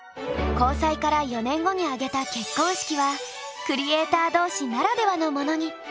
交際から４年後に挙げた結婚式はクリエーター同士ならではのものに！